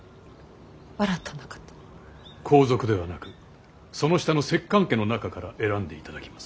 皇族ではなくその下の摂関家の中から選んでいただきます。